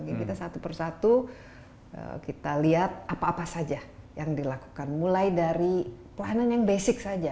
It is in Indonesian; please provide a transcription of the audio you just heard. jadi kita satu persatu kita lihat apa apa saja yang dilakukan mulai dari pelayanan yang basic saja